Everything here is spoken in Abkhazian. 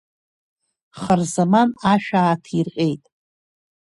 Харзаман ашәа ааҭирҟьеит.